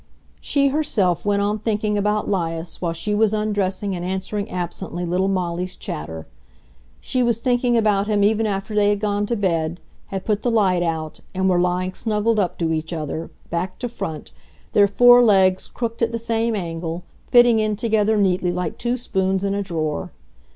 She herself went on thinking about 'Lias while she was undressing and answering absently little Molly's chatter. She was thinking about him even after they had gone to bed, had put the light out, and were lying snuggled up to each other, back to front, their four legs, crooked at the same angle, fitting in together neatly like two spoons in a drawer.